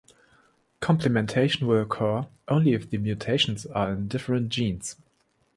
Complementation will occur only if the mutations are in different genes.